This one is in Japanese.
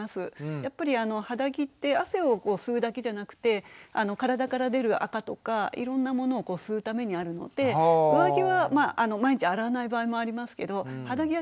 やっぱり肌着って汗を吸うだけじゃなくて体から出るあかとかいろんなものを吸うためにあるので上着は毎日洗わない場合もありますけど肌着は